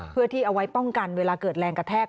เพื่อที่เอาไว้ป้องกันเวลาเกิดแรงกระแทก